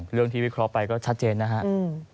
เรื่องที่วิเคราะห์ไปก็ชัดเจนนะครับ